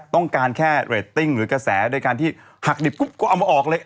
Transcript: ต้องการแค่เรตติ้งหรือกระแสโดยการที่หักดิบปุ๊บก็เอามาออกเลย